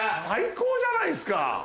最高じゃないですか。